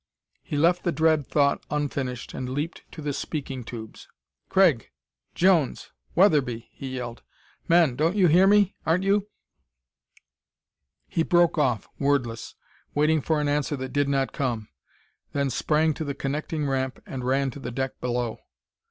He left the dread thought unfinished and leaped to the speaking tubes. "Craig! Jones! Wetherby!" he yelled. "Men! Don't you hear me? Aren't you " He broke off, wordless, waiting for an answer that did not come, then sprang to the connecting ramp and ran to the deck below.